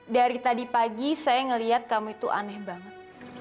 dari tadi pagi saya melihat kamu itu aneh banget